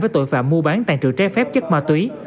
với tội phạm mua bán tàn trự trái phép chất ma túy